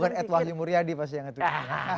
tapi bukan edwahli muryadi pasti yang ngetujukan